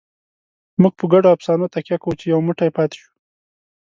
موږ په ګډو افسانو تکیه کوو، چې یو موټی پاتې شو.